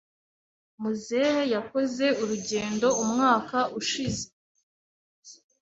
Muzehe yakoze urugendo umwaka ushize?